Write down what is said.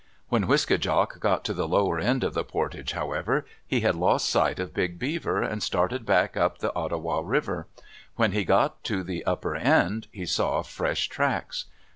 When Wiske djak got to the lower end of the portage, however, he had lost sight of Big Beaver and started back up the Ottawa River. When he got to the upper end, he saw fresh tracks.